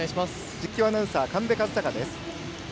実況アナウンサー神戸和貴です。